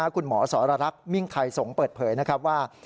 คุณหมอสรรลักษณ์มิ่งไทยส่งเปิดเผยว่า